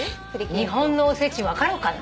日本のおせち分かるかな？